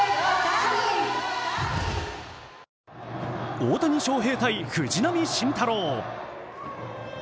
大谷翔平対藤浪晋太郎。